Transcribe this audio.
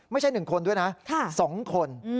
ไม่ใช่๑คนด้วยนะ๒คน